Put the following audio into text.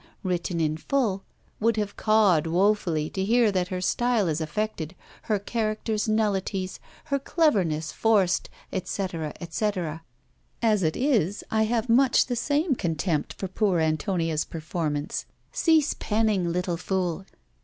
written in full, would have cawed woefully to hear that her style is affected, her characters nullities, her cleverness forced, etc., etc. As it is, I have much the same contempt for poor Antonia's performance. Cease penning, little fool!